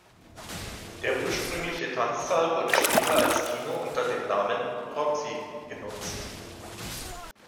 Der ursprüngliche Tanzsaal wurde später als Kino unter dem Namen "Roxy" genutzt.